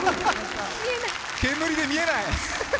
煙で見えない！